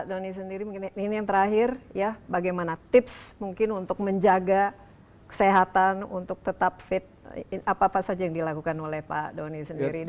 doni sendiri mungkin ini yang terakhir ya bagaimana tips mungkin untuk menjaga kesehatan untuk tetap fit apa apa saja yang dilakukan oleh pak doni sendiri